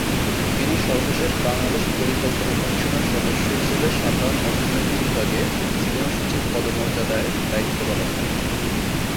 তিনি সর্বশেষ বাংলাদেশ পরিকল্পনা কমিশনের সদস্য হিসেবে সাধারণ অর্থনীতি বিভাগে সিনিয়র সচিব পদমর্যাদায় দায়িত্ব পালন করেন।